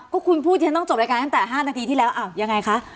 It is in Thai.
ก็คุณพูดที่ต้องจบรายการ๕นาทีที่แล้วยังไงคะ